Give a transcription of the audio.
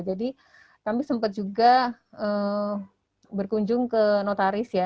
jadi kami sempat juga berkunjung ke notaris ya